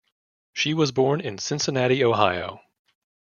She was born in Cincinnati, Ohio.